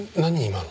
今の。